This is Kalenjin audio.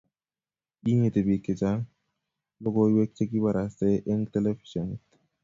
inetii biik chechang logoiywek chegibarastai eng telefishenit